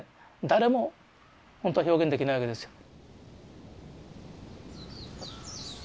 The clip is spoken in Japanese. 誰も本当は表現できないわけですよ。